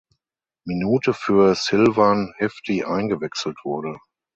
Minute für Silvan Hefti eingewechselt wurde.